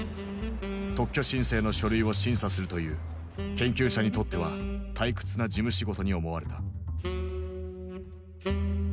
特許申請の書類を審査するという研究者にとっては退屈な事務仕事に思われた。